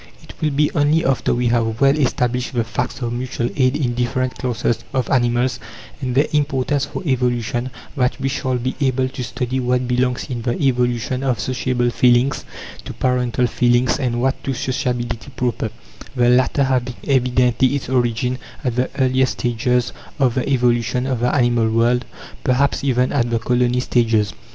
It will be only after we have well established the facts of mutual aid in different classes of animals, and their importance for evolution, that we shall be able to study what belongs in the evolution of sociable feelings, to parental feelings, and what to sociability proper the latter having evidently its origin at the earliest stages of the evolution of the animal world, perhaps even at the "colony stages."